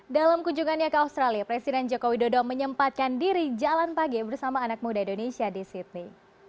dalam kunjungannya ke australia presiden joko widodo menyempatkan diri jalan pagi bersama anak muda indonesia di sydney